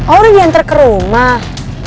oh udah diantar ke rumah